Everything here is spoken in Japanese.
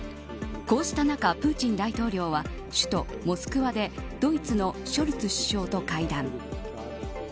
こうした中プーチン大統領は首都モスクワでドイツのショルツ首相と会談。